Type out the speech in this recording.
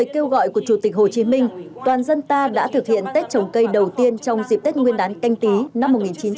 tết chồng cây đã thực hiện tết chồng cây đầu tiên trong dịp tết nguyên đán canh tý năm một nghìn chín trăm sáu mươi